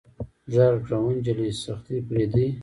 غږ يې کړ وه جلۍ سختي پرېدئ.